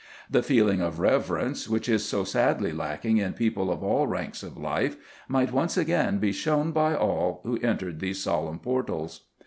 The feeling of reverence, which is so sadly lacking in people of all ranks of life, might once again be shown by all who entered these solemn portals.